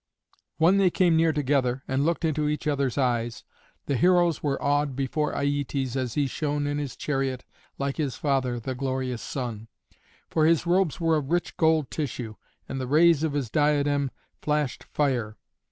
When they came near together and looked into each other's eyes, the heroes were awed before Aietes as he shone in his chariot like his father, the glorious Sun. For his robes were of rich gold tissue, and the rays of his diadem flashed fire.